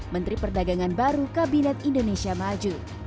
menteri perdagangan baru kabinet indonesia maju